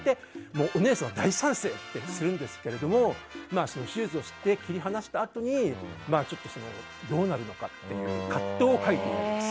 お姉さんは大賛成するんですけど手術をして切り離したあとにどうなるのかという葛藤を描いています。